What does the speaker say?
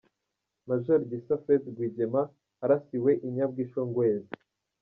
Maj Gisa Fred Rwigema, arasiwe i Nyabwishongwezi.